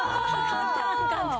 簡単簡単！